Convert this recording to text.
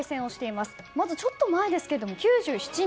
まず、ちょっと前ですが９７年。